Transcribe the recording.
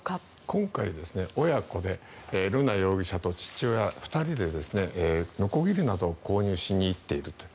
今回、親子で瑠奈容疑者と父親２人でのこぎりなどを購入しに行っているという。